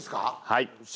はい。